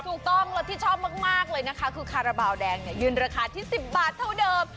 ถูกต้องแล้วที่ชอบมากเลยนะคะคือคาราบาลแดงเนี่ยยืนราคาที่๑๐บาทเท่าเดิม